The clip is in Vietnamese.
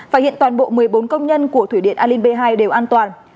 và hiện toàn bộ một mươi bốn công nhân của thủy điện alin b hai đều an toàn